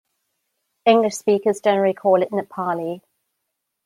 English speakers generally call it Nepali.